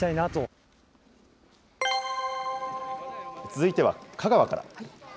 続いては香川から。